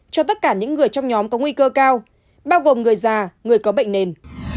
cho tất cả những người trong nhóm có nguy cơ cao bao gồm người già người có bệnh nền